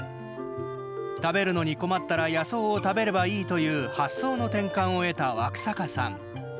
食べるのに困ったら野草を食べればいいという発想の転換を得たワクサカさん。